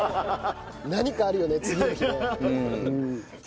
何かあるよね次の日ね。